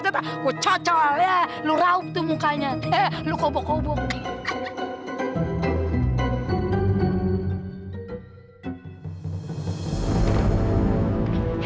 gua cocol lu raup tuh mukanya lu kobok kobok nih